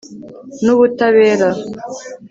n'ubutabera